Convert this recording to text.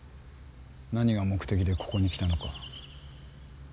何が目的でここに来たのか。